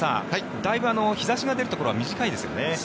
だいぶ日差しが出るところは短いですよね。